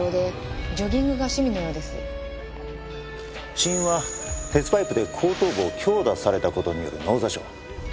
死因は鉄パイプで後頭部を強打された事による脳挫傷。